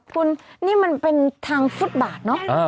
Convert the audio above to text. คุณนี่มันเป็นทางฟุตบาทเนอะ